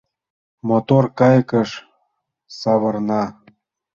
Мотор кайыкыш савырна.